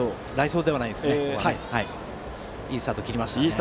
いいスタート切りましたね。